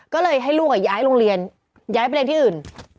ก็เลยให้ลูกย้ายโรงเรียนย้ายไปเรียนที่อื่น